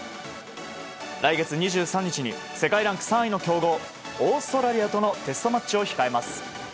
来月２３日に世界ランク３位の強豪オーストラリアとのテストマッチを行います。